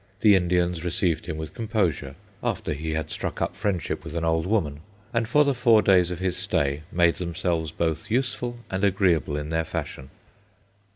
The Indians received him with composure, after he had struck up friendship with an old woman, and for the four days of his stay made themselves both useful and agreeable in their fashion.